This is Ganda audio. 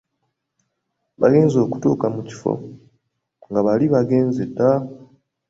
Bagenze okutuuka mu kifo, nga bali baagenze dda.